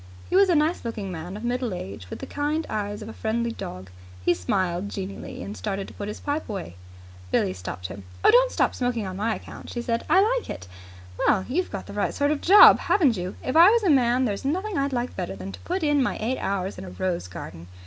He was a nice looking man of middle age, with the kind eyes of a friendly dog. He smiled genially, and started to put his pipe away. Billie stopped him. "Don't stop smoking on my account," she said. "I like it. Well, you've got the right sort of a job, haven't you! If I was a man, there's nothing I'd like better than to put in my eight hours in a rose garden."